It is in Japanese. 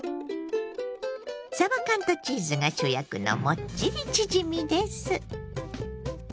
さば缶とチーズが主役のもっちりチヂミです。